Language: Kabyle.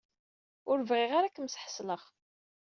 Ur bɣiɣ ara ad kem-ssḥeṣleɣ.